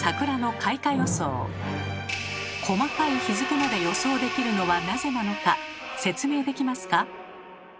細かい日付まで予想できるのはなぜなのか説明できますか？